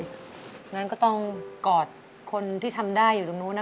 อย่างนั้นก็ต้องเกาะคนที่ทำได้อยู่ตรงนู้นนะคะ